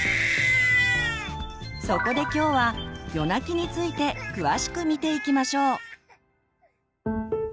そこで今日は夜泣きについて詳しく見ていきましょう。